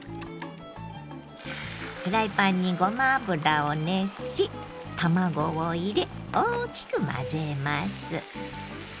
フライパンにごま油を熱し卵を入れ大きく混ぜます。